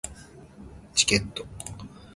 チケット